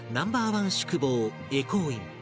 １宿坊恵光院